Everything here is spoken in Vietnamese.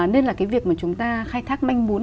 nên là cái việc mà chúng ta khai thác manh bún